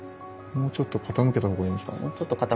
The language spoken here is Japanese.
もうちょっと傾けた方がいいですね。